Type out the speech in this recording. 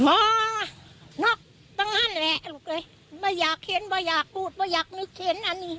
ไม่นอกตรงนั้นแหละลูกเอ้ยไม่อยากเห็นไม่อยากพูดไม่อยากนึกเห็นอันนี้